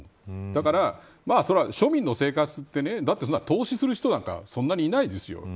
だから、それは庶民の生活ってそんな投資する人なんかそんなにいないですよ。